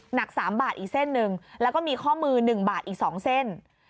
หนัก๓บาทอีกเส้นหนึ่งแล้วก็มีข้อมือ๑บาทอีก๒เส้น